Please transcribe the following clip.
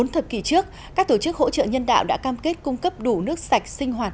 bốn thập kỷ trước các tổ chức hỗ trợ nhân đạo đã cam kết cung cấp đủ nước sạch sinh hoạt